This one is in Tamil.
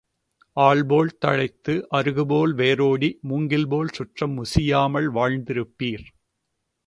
ஆல்போல் தழைத்து அறுகுபோல் வேரோடி மூங்கில்போல் சுற்றம் முசியாமல் வாழ்ந்திருப்பீர்.